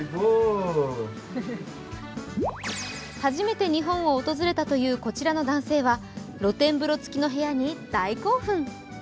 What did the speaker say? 初めて日本を訪れたというこちらの男性は、露天風呂付きの部屋に大興奮。